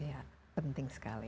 ya penting sekali